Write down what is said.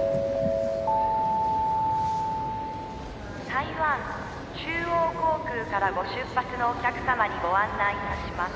「台湾中央航空からご出発のお客様にご案内いたします」